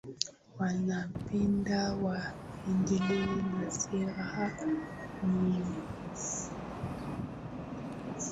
wanapenda waendelee na sera hiyo